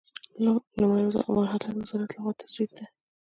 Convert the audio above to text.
لومړۍ مرحله د وزارت له خوا تسوید دی.